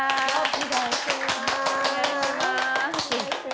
お願いします。